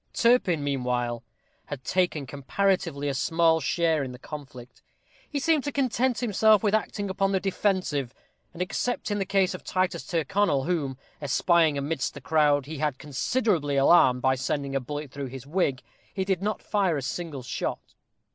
Turpin, meanwhile, had taken comparatively a small share in the conflict. He seemed to content himself with acting upon the defensive, and except in the case of Titus Tyrconnel, whom, espying amidst the crowd, he had considerably alarmed by sending a bullet through his wig, he did not fire a single shot.